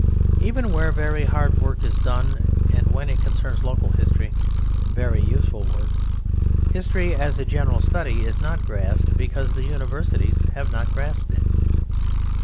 Even where very hard work is done, and, when it concerns local history, very useful work, history as a general study is not grasped because the universities have not grasped it.